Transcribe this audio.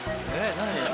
何？